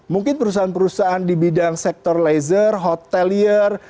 mungkin perusahaan perusahaan di bidang sektor laser hotelier